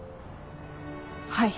はい。